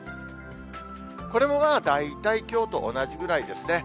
これも大体きょうと同じくらいですね。